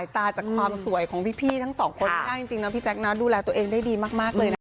ทั้งห่วงทั้งห่วงค่ะ